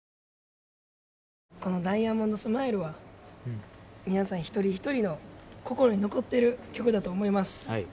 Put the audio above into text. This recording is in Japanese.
この「ダイヤモンドスマイル」は皆さん一人一人の心に残っている曲だと思います。